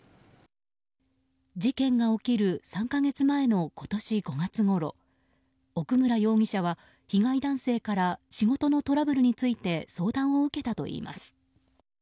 事件が起きる３か月前の今年５月ごろ奥村容疑者は被害男性から仕事のトラブルについて相談を受けたといいます。